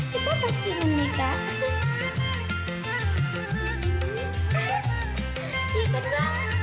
kita pasti menikah